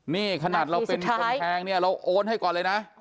นี่ขนาดเราเป็นคนแทงเนี่ยเราโอนให้ก่อนเลยนะ